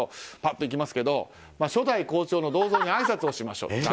ぱっといきますが初代校長の銅像にあいさつをしましょう。